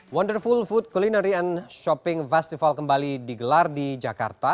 wonderful food culinary and shopping festival kembali digelar di jakarta